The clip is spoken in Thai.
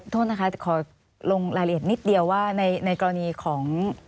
โทษนะคะแต่ขอลงรายละเอียดนิดเดียวว่าในกรณีของ